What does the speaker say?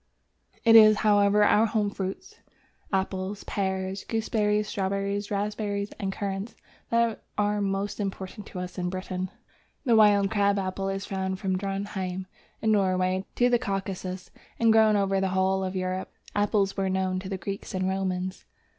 It is, however, our home fruits, Apples, Pears, Gooseberries, Strawberries, Raspberries, and Currants, that are most important to us in Britain. The Wild Crab Apple is found from Drontheim, in Norway, to the Caucasus, and grows over the whole of Europe. Apples were known to the Greeks and Romans.